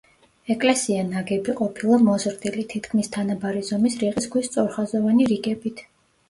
ეკლესია ნაგები ყოფილა მოზრდილი, თითქმის თანაბარი ზომის რიყის ქვის სწორხაზოვანი რიგებით.